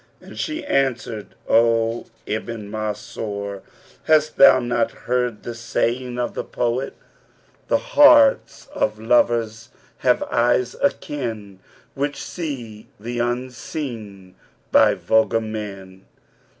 and she answered, 'O Ibn Mansur, hast thou not heard the saying of the poet, 'The hearts of lovers have eyes I ken, * Which see the unseen by vulgar men.'